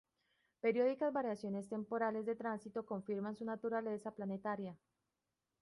Periódicas variaciones temporales de tránsito confirman su naturaleza planetaria.